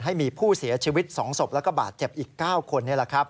ให้มีผู้เสียชีวิต๒ศพแล้วก็บาดเจ็บอีก๙คน